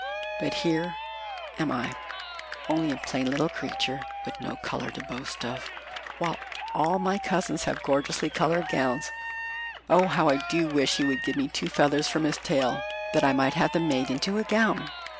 "But here am I, only a plain little creature, with no color to boast of, while all my cousins have gorgeously colored gowns. Oh, how I do wish he would give me two feathers from his tail that I might have them made into a gown!"